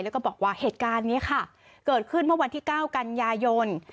แล้วก็บอกว่าเหตุการณ์นี้ค่ะเกิดขึ้นเมื่อวันที่๙กันยายน